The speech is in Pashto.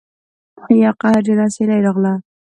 یوه قهرجنه سیلۍ راغله